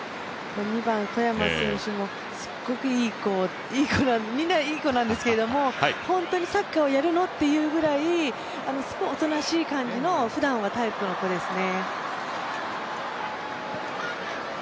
２番・小山選手もすっごくいいみんないい子なんですけど本当にサッカーをやるの？というぐらい、すごいおとなしい感じのふだんはタイプの子ですね。